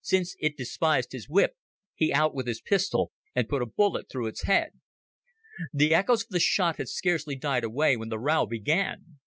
Since it despised his whip, he out with his pistol and put a bullet through its head. The echoes of the shot had scarcely died away when the row began.